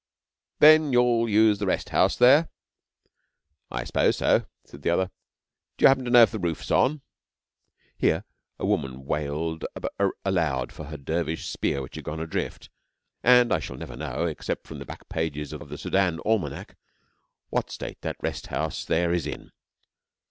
Then you'll use the rest house there?' 'I suppose so,' said the other. 'Do you happen to know if the roof's on?' Here a woman wailed aloud for her dervish spear which had gone adrift, and I shall never know, except from the back pages of the Soudan Almanack, what state that rest house there is in.